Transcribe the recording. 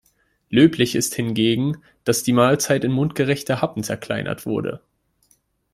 Löblich ist hingegen, dass die Mahlzeit in mundgerechte Happen zerkleinert wurde.